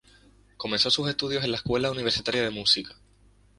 Comenzó sus estudios en la Escuela Universitaria de Música.